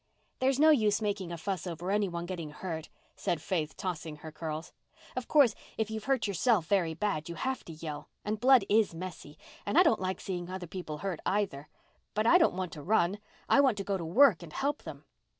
"There's no use making a fuss over anyone getting hurt," said Faith, tossing her curls. "Of course, if you've hurt yourself very bad, you have to yell—and blood is messy—and I don't like seeing other people hurt, either. But I don't want to run—I want to go to work and help them.